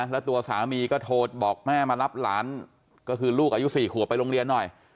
แล้วตัวสามีก็โทรบอกแม่มารับหลานก็คือลูกอายุ๔ขวบไปโรงเรียนหน่อย